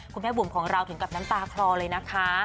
คุณแม่บุ๋มของเราถึงกับน้ำตาคลอเลยนะคะ